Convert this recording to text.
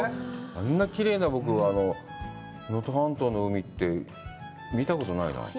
あんなきれいな、能登半島の海って見たことないなぁ。